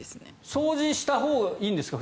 掃除したほうがいいんですか？